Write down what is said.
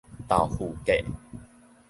豆腐格